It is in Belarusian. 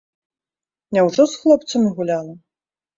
Няўжо ж з хлопцамі гуляла!